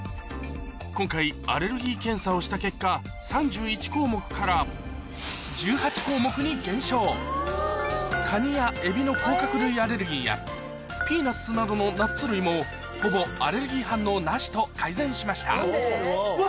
今回アレルギー検査をした結果３１項目から１８項目に減少カニやエビの甲殻類アレルギーやピーナッツなどのナッツ類もほぼアレルギー反応なしと改善しましたうわ